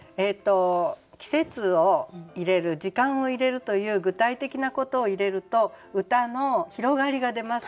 季節を入れる時間を入れるという具体的なことを入れると歌の広がりが出ます。